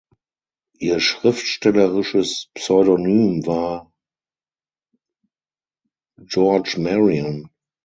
Ihr schriftstellerisches Pseudonym war "George Marion".